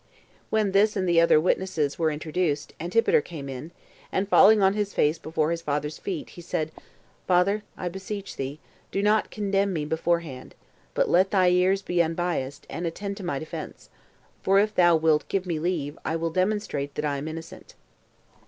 When this and the other witnesses were introduced, Antipater came in, and falling on his face before his father's feet, he said, "Father, I beseech thee, do not condemn me beforehand, but let thy ears be unbiassed, and attend to my defense; for if thou wilt give me leave, I will demonstrate that I am innocent."